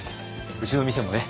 うちの店もね